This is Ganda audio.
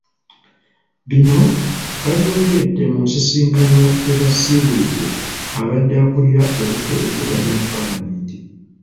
Bino babyogeredde mu nsisinkano mwe basiibulidde abadde akulira oludda oluvuganya mu Paalamenti.